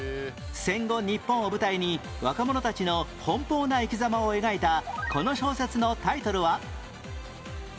戦後日本を舞台に若者たちの奔放な生き様を描いたこの小説のタイトルは？